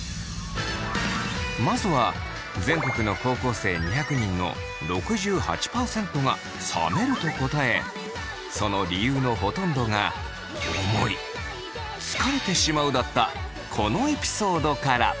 まずは全国の高校生２００人の６８％が冷めると答えその理由のほとんどがこのエピソードから。